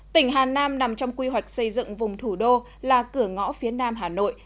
tỉnh hà nam nằm trong quy hoạch xây dựng vùng thủ đô là cửa ngõ phía nam hà nội